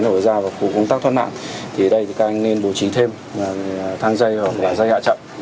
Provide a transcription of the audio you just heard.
để phục vụ cho việc thoát nạn của con người trong các trường hợp sự cố